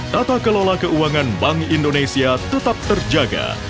tata kelola keuangan bank indonesia tetap terjaga